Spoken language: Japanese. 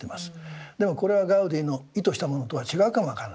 でもこれはガウディの意図したものとは違うかも分からない。